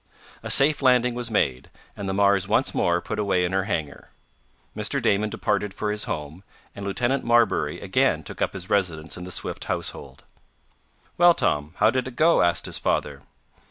A safe landing was made, and the Mars once more put away in her hangar. Mr. Damon departed for his home, and Lieutenant Marbury again took up his residence in the Swift household. "Well, Tom, how did it go?" asked his father.